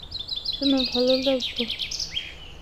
শোনে ভালো লাগল।